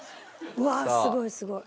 うわっすごいすごい。